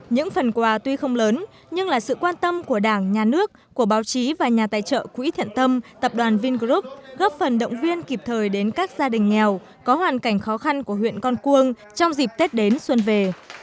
những phần quà tuy không lớn nhưng là sự quan tâm của đảng nhà nước của báo chí và nhà tài trợ quỹ thiện tâm tập đoàn vingroup góp phần động viên kịp thời đến các gia đình nghèo có hoàn cảnh khó khăn của huyện con cuông trong dịp tết đến xuân về